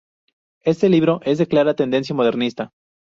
Este libro es de clara tendencia modernista.